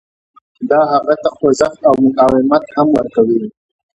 دا هغه ته خوځښت او مقاومت هم ورکوي